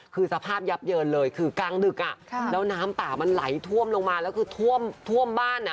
คือสภาพยับเยินเลยคือกลางดึกแล้วน้ำป่ามันไหลท่วมลงมาแล้วคือท่วมบ้าน